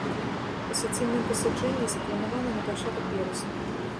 Касацыйнае пасяджэнне запланавана на пачатак верасня.